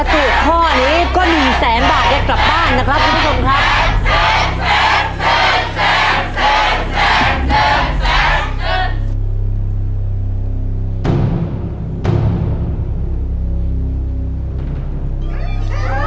ถ้าถูกห้อนี้ก็๑แสนบาทเพื่อกลับบ้านนะครับทุกครับ